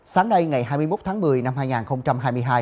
sáng nay ngày hai mươi một tháng một mươi năm hai nghìn hai mươi hai